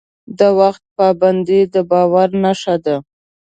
د وخت پابندي د باور نښه ده.